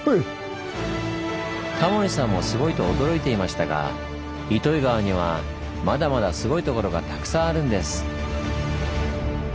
タモリさんもすごいと驚いていましたが糸魚川にはまだまだすごいところがたくさんあるんです。